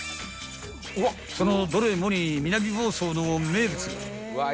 ［そのどれもに南房総の名物が］